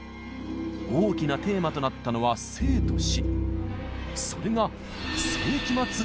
大きなテーマとなったのは「生と死」。